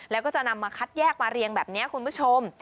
แล้วก็จะนำมาคัดแยกมาเรียงแบบนี้คุณผู้ชม